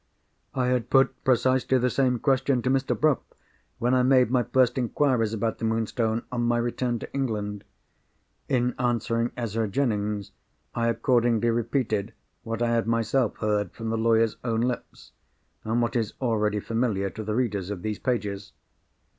I had put precisely the same question to Mr. Bruff when I made my first inquiries about the Moonstone, on my return to England. In answering Ezra Jennings, I accordingly repeated what I had myself heard from the lawyer's own lips—and what is already familiar to the readers of these pages.